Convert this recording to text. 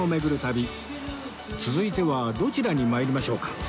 続いてはどちらに参りましょうか？